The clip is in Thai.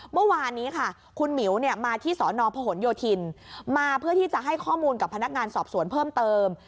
เมื่อวานนี้ค่ะคุณหมิวมาที่สนพหนโยธินมาเพื่อที่จะให้ข้อมูลกับพนักงานสอบสวนเพิ่มเติม